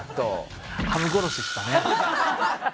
ハム殺ししたね。